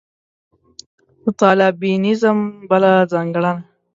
د طالبانیزم بله ځانګړنه ده.